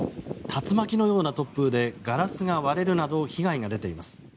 竜巻のような突風でガラスが割れるなど被害が出ています。